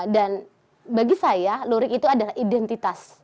dan bagi saya lurik itu adalah identitas